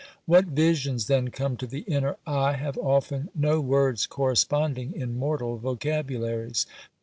What visions then come to the inner eye have often no words corresponding in mortal vocabularies.